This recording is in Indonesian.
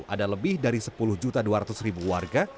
ada lebih dari sepuluh dua ratus warga